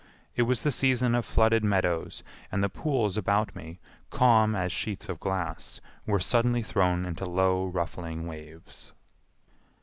It was the season of flooded meadows and the pools about me, calm as sheets of glass, were suddenly thrown into low ruffling waves.